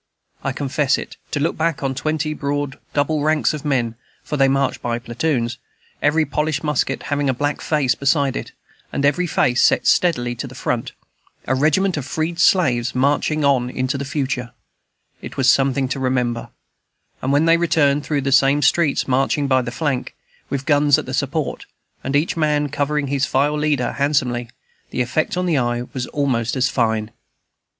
I confess it. To look back on twenty broad double ranks of men (for they marched by platoons), every polished musket having a black face beside it, and every face set steadily to the front, a regiment of freed slaves marching on into the future, it was something to remember; and when they returned through the same streets, marching by the flank, with guns at a "support," and each man covering his file leader handsomely, the effect on the eye was almost as fine.